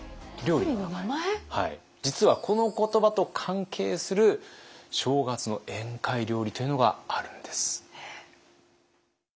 実はこの言葉と関係する正月の宴会料理というのがあるんです。